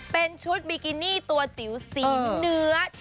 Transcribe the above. เป็นชุดบิกินี่ตัวจิ๋วสีเนื้อ